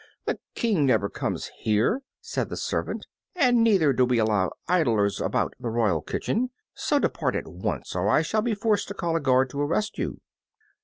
The King never comes here," said the servant; "and neither do we allow idlers about the royal kitchen. So depart at once, or I shall be forced to call a guard to arrest you."